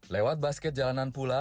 lewat basket jalanan pula